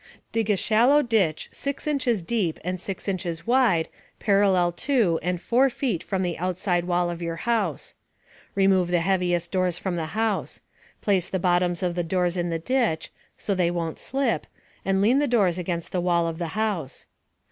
* Dig a shallow ditch, 6 inches deep and 6 inches wide, parallel to and 4 feet from the outside wall of your house. Remove the heaviest doors from the house. Place the bottoms of the doors in the ditch (so they won't slip), and lean the doors against the wall of the house.